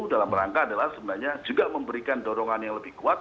dalam rangka adalah sebenarnya juga memberikan dorongan yang lebih kuat